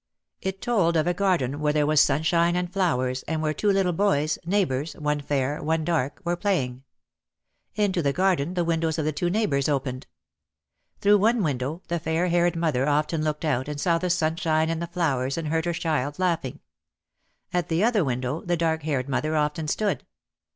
It told of a garden where there was sunshine and flowers and where two little boys, neighbours, one fair, one dark, were playing. Into the garden the windows of the two neighbours opened. Through one window the fair haired mother often looked out and saw the sunshine and the flowers and heard her child laughing. At the other window the dark haired mother often stood.